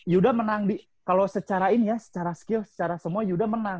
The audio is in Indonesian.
yuda menang di kalau secara ini ya secara skill secara semua yuda menang